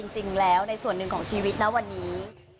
จริงแล้วในส่วนหนึ่งของชีวิตนะวันนี้